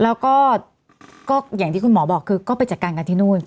แล้วก็อย่างที่คุณหมอบอกคือก็ไปจัดการกันที่นู่น